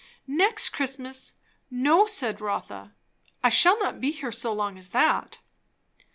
"Next Christmas! No," said Rotha. "I shall not be here so long as that."